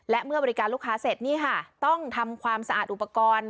และเมื่อบริการลูกค้าเสร็จนี่ค่ะต้องทำความสะอาดอุปกรณ์